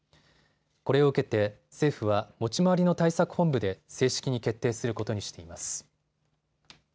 これを受けて政府は持ち回りの対策本部で正式に決定することにしています。